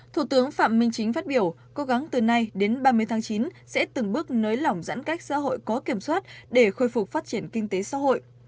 thủ tướng phạm minh chính phát biểu cố gắng từ nay đến ba mươi tháng chín sẽ từng bước nới lỏng giãn cách xã hội có kiểm soát để khôi phục phát triển kinh tế xã hội